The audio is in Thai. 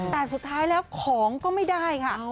แต่สุดท้ายแล้วของก็ไม่ได้ค่ะ